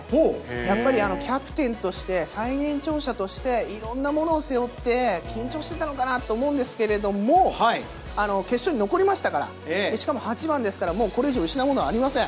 やっぱりキャプテンとして、最年長者として、いろんなものを背負って、緊張してたのかなと思うんですけれども、決勝に残りましたから、しかも８番ですから、もうこれ以上、失うものはありません。